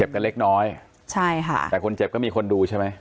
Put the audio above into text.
กันเล็กน้อยใช่ค่ะแต่คนเจ็บก็มีคนดูใช่ไหม